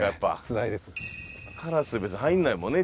カラス別に入んないもんね